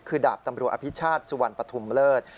คือดาบตำรวจอภิชาติสุวรรณปฐุมเลิศ